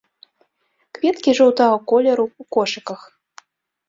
Кветкі жоўтага колеру, у кошыках.